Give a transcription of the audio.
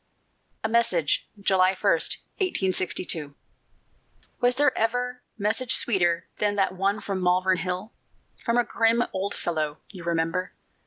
A MESSAGE [July 1, 1882] Was there ever message sweeter Than that one from Malvern Hill, From a grim old fellow, you remember?